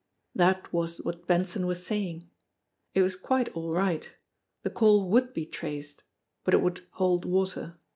That was what Benson was saying! It was quite all right. The call would be traced but it would "hold water."